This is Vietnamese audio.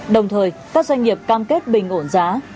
đồng thời các doanh nghiệp cam kết bình ổn giá